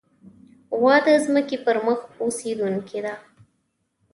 غوا د ځمکې پر مخ اوسېدونکې ده.